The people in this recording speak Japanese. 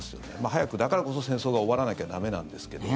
早く、だからこそ戦争が終わらなきゃ駄目なんですけど。